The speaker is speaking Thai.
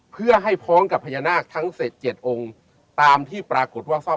เพื่อให้พร้อมกับพญานาคทั้งเสร็จ๗องค์ตามที่ประกดว่า